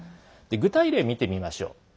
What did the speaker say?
具体例、見てみましょう。